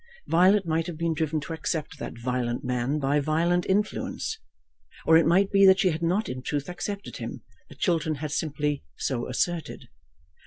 Violet might have been driven to accept that violent man by violent influence, or it might be that she had not in truth accepted him, that Chiltern had simply so asserted.